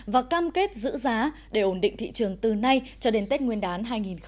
và cam kết giữ giá để ổn định thị trường từ nay cho đến tết nguyên đán hai nghìn hai mươi